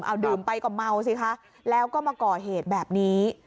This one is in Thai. เอาดื่มไปก็เมาสิคะแล้วก็มาก่อเหตุแบบนี้